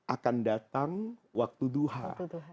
akan datang waktu duhah